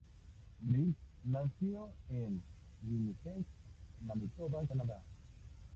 Brill nació en Winnipeg, Manitoba, Canadá.